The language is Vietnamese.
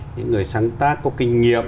những người sáng tác có kinh nghiệm